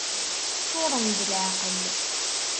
Ččuren d leεqel!